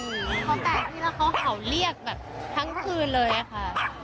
เพราะแต่พี่แล้วเขาเห่าเรียกแบบทั้งคืนเลยค่ะ